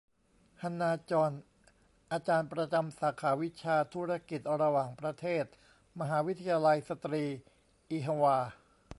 ฮันนา จ็อน อาจารย์ประจำสาขาวิชาธุรกิจระหว่างประเทศ มหาวิทยาลัยสตรีอีฮวา